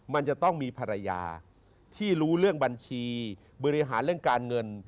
มันจะต้องมีภรรยาที่รู้เรื่องบัญชีบริหารเรื่องการเงิน